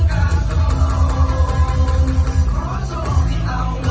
ไม่มีเมื่อไหร่จะไล่ไหว้